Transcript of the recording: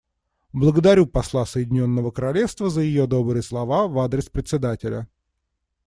Благодарю посла Соединенного Королевства за ее добрые слова в адрес Председателя.